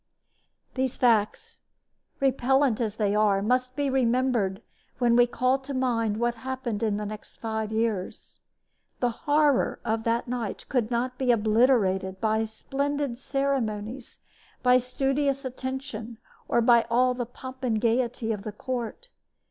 These facts, repellent as they are, must be remembered when we call to mind what happened in the next five years. The horror of that night could not be obliterated by splendid ceremonies, by studious attention, or by all the pomp and gaiety of the court.